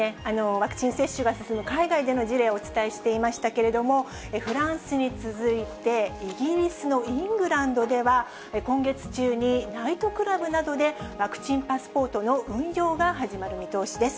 ワクチン接種が進む海外での事例をお伝えしていましたけれども、フランスに続いて、イギリスのイングランドでは、今月中にナイトクラブなどでワクチンパスポートの運用が始まる見通しです。